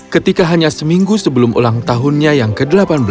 ketika hanya seminggu sebelum ulang tahunnya yang ke delapan belas